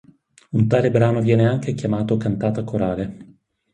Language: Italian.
Un tale brano viene anche chiamato cantata corale.